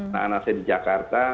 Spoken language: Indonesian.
anak anak saya di jakarta